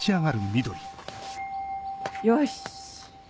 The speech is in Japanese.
よし。